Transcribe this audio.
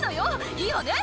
「いいわね」